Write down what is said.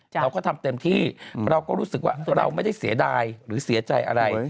เราก็ทำเต็มที่เราก็รู้สึกว่าเราไม่ได้เสียดายหรือเสียใจอะไร